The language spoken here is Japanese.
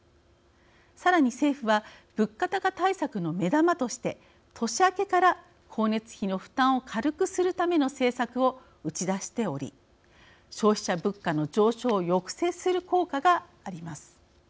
さらに、政府は物価高対策の目玉として年明けから光熱費の負担を軽くするための政策を打ち出しており消費者物価の上昇を抑制する効果があります。